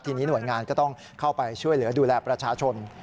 ทีนี้หน่วยงานก็ต้องเข้าไปช่วยเหลือดูแลประชาชน